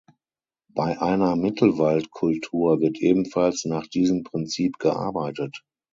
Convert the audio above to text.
Bei einer Mittelwald-Kultur wird ebenfalls nach diesem Prinzip gearbeitet.